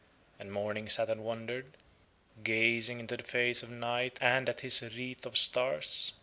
And Morning sat and wondered, gazing into the face of Night and at his wreath of stars.